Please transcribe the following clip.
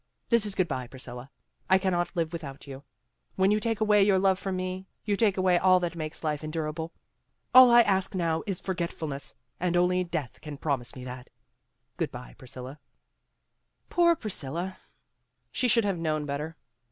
This is good by, Priscilla. I cannot live without you. When you take away your love from me, you take away all that makes life endurable. All I ask now is forgetfulness, and only death can promise me that Good by, Priscilla." Poor Priscilla! She should have known better.